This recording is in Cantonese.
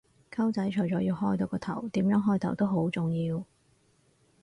溝仔，除咗要開到個頭，點樣開頭都好重要